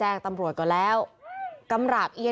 โดนฟันเละเลย